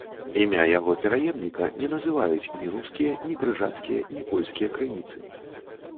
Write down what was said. Імя яго пераемніка не называюць ні рускія, ні крыжацкія, ні польскія крыніцы.